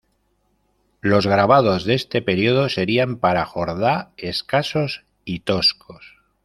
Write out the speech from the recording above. Los grabados de este periodo serían, para Jordá, escasos y toscos.